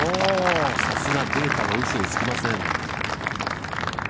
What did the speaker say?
さすが、データはうそをつきません。